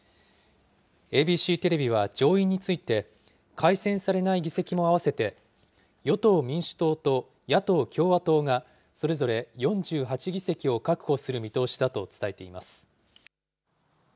ＡＢＣテレビは上院について、改選されない議席も合わせて与党・民主党と野党・共和党が、それぞれ４８議席を確保する見通しだと伝えています。